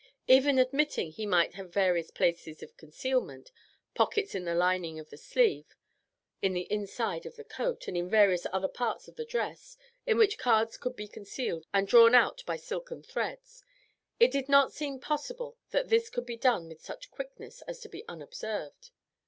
Even admitting he might have various places of concealment, pockets in the lining of the sleeve, in the inside of the coat, and in various other parts of the dress, in which cards could be concealed and drawn out by silken threads, it did not seem possible that this could be done with such quickness as to be unobserved.